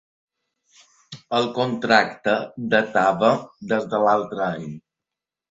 El contracte datava des de l'altre any.